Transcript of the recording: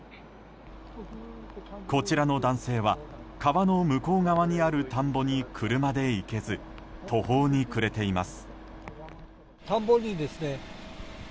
こちらの男性は川の向こう側にある田んぼに車で行けず途方に暮れています。